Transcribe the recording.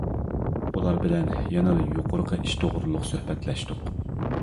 ئۇلار بىلەن يەنىلا يۇقىرىقى ئىش توغرۇلۇق سۆھبەتلەشتۇق.